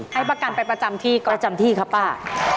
ให้ประกันไปประจำที่ก็ประจำที่ครับป้า